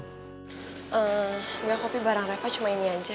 enggak kopi bareng reva cuma ini aja